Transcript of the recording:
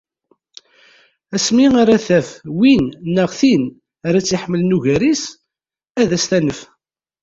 asmi ara taf win neɣ tin ara tt-iḥemmlen ugar-is ad as-tanef.